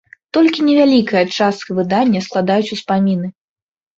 Толькі невялікая частка выдання складаюць успаміны.